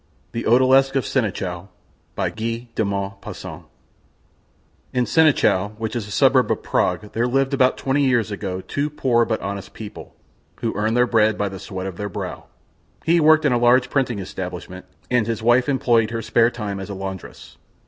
THE ODALISQUE OF SENICHOU In Senichou, which is a suburb of Prague, there lived about twenty years ago, two poor but honest people, who earned their bread by the sweat of their brow; he worked in a large printing establishment, and his wife employed her spare time as a laundress.